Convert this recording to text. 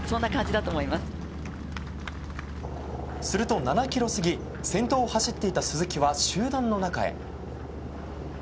すると７ｋｍ過ぎ先頭を走っていた鈴木は集団の中へ。